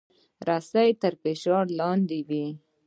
رسۍ تل تر فشار لاندې وي.